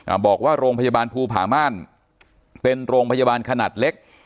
บอกว่าโรงพยาบาลภูผาม่านเป็นโรงพยาบาลขนาดเล็ก